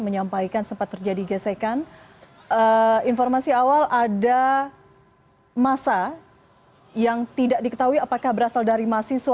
ya terima kasih